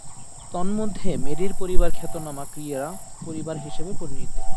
তন্মধ্যে মেরি’র পরিবার খ্যাতনামা ক্রীড়া পরিবার হিসেবে পরিচিত।